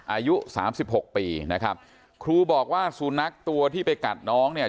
อายุสามสิบหกปีนะครับครูบอกว่าสุนัขตัวที่ไปกัดน้องเนี่ย